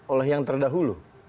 oleh yang terdahulu